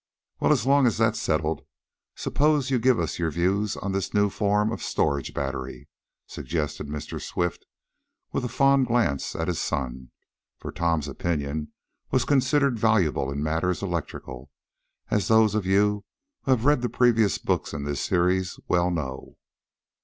"Well, as long as that's settled, suppose you give us your views on this new form of storage battery," suggested Mr. Swift, with a fond glance at his son, for Tom's opinion was considered valuable in matters electrical, as those of you, who have read the previous books in this series, well know.